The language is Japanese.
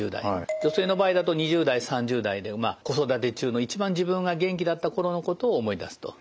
女性の場合だと２０代３０代で子育て中の一番自分が元気だった頃のことを思い出すと。